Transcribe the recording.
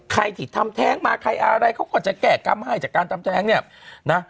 ใครที่ทำแท้งมาใครอะไรเขาก็จะแก้กรรมให้จากการทำแท้งเนี่ยนะ